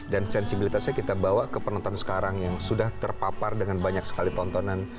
dan sensibilitasnya kita bawa ke penonton sekarang yang sudah terpapar dengan banyak sekali tontonan